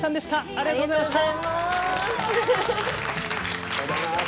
ありがとうございます！